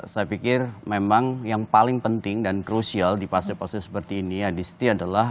saya pikir memang yang paling penting dan krusial di fase fase seperti ini adisti adalah